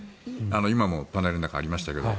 今もパネルの中にありましたけど。